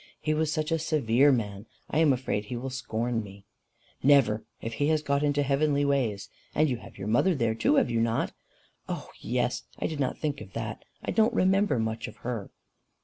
He was such a severe man! I am afraid he will scorn me." "Never if he has got into heavenly ways. And you have your mother there too, have you not?" "Oh! yes; I didn't think of that. I don't remember much of her."